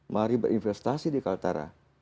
mari berinvestasi di kaltara